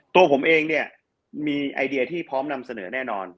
ตัวผมเองเนี่ยมีไอเดียที่พร้อมนำเสนอแน่นอน